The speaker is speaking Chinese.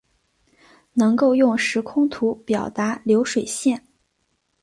能够用时空图表达流水线